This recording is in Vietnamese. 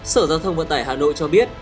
sở giao thông vận tải hà nội cho biết